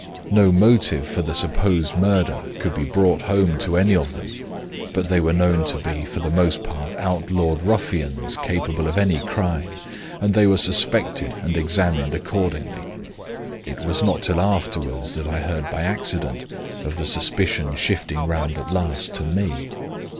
No motive for the supposed murder could be brought home to any of them; but they were known to be, for the most part, outlawed ruffians capable of any crime, and they were suspected and examined accordingly. It was not till afterward that I heard by accident of the suspicion shifting round at last to me.